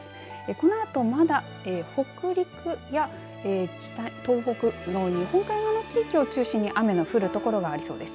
このあとまだ北陸や北東北の日本海側の地域を中心に雨の降る所がありそうです。